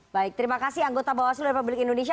baik terima kasih anggota bawaslu republik indonesia